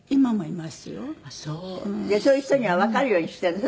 そういう人にはわかるようにしているの？